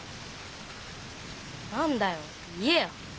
何だよ言えよ。